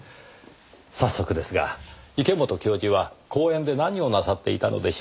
早速ですが池本教授は公園で何をなさっていたのでしょう？